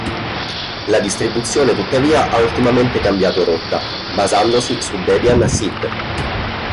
La distribuzione tuttavia ha ultimamente cambiato rotta basandosi su Debian-Sid.